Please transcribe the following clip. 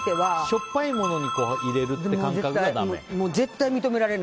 しょっぱいものに入れる感覚がだめ？